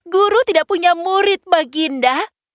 guru tidak punya murid baginda